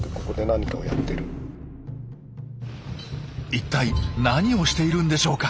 一体何をしているんでしょうか？